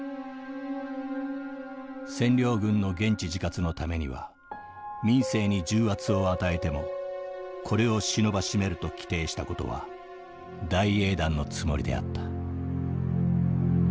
「占領軍の現地自活のためには民生に重圧を与えてもこれを忍ばしめると規定したことは大英断のつもりであった」。